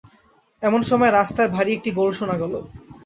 এমন সময় রাস্তায় ভারি একটা গোল শুনা গেল।